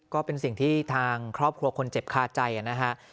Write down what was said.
ก็เป็นสิ่งที่ทางครอบครัวคนเจ็บคาใจนะฮะ